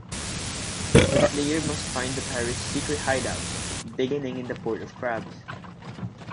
The player must find the pirates' secret hideout, beginning in the Port of Crabs.